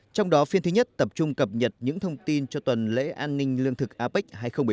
trong đó phiên thứ nhất tập trung cập nhật những thông tin cho tuần lễ an ninh lương thực apec hai nghìn một mươi bảy